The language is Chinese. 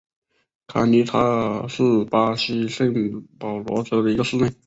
卡尼塔尔是巴西圣保罗州的一个市镇。